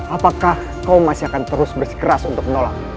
apakah kau masih akan terus bersikeras untuk menolak